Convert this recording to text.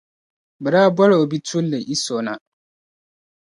o daa boli o bituuli Iso na.